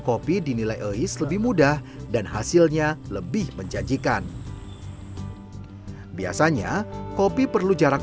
kopi dinilai oice lebih mudah dan hasilnya lebih menjanjikan biasanya kopi perlu jarak